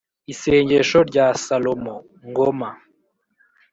Isengesho rya Salomo ( Ngoma -)